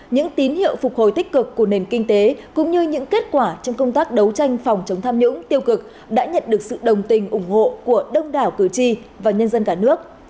những tín hiệu phục hồi tích cực của nền kinh tế cũng như những kết quả trong công tác đấu tranh phòng chống tham nhũng tiêu cực đã nhận được sự đồng tình ủng hộ của đông đảo cử tri và nhân dân cả nước